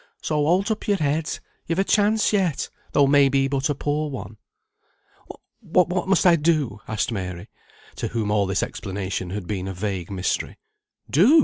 So hold up your head, you've a chance yet, though may be but a poor one." "But what must I do?" asked Mary, to whom all this explanation had been a vague mystery. "Do!"